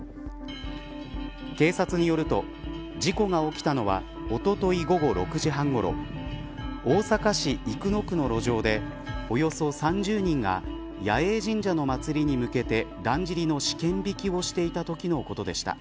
警察によると事故が起きたのはおととい午後６時半ごろ大阪市生野区の路上でおよそ３０人が彌栄神社の祭りに向けてだんじりの試験引きをしていたときのことでした。